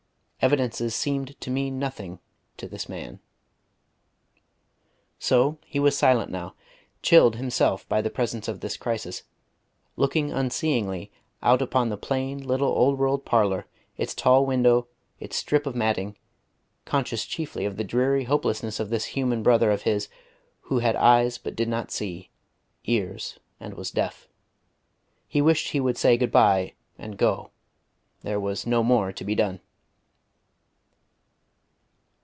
Evidences seemed to mean nothing to this man. So he was silent now, chilled himself by the presence of this crisis, looking unseeingly out upon the plain, little old world parlour, its tall window, its strip of matting, conscious chiefly of the dreary hopelessness of this human brother of his who had eyes but did not see, ears and was deaf. He wished he would say good bye, and go. There was no more to be done.